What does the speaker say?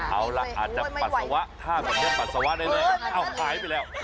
เอาละอาจจะปัสสาวะถ้ามันไม่ปัสสาวะได้เลยอ้าวหายไปแล้ว